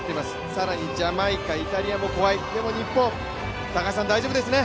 更にジャマイカ、イタリアも怖い、でも日本、高橋さん、大丈夫ですね。